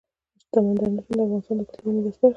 سمندر نه شتون د افغانستان د کلتوري میراث برخه ده.